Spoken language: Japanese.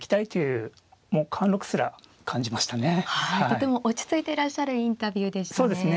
とても落ち着いていらっしゃるインタビューでしたね。